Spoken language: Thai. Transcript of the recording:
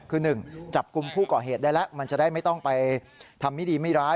คือ๑จับกลุ่มผู้ก่อเหตุได้แล้วมันจะได้ไม่ต้องไปทำไม่ดีไม่ร้าย